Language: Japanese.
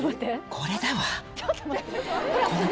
これだわ。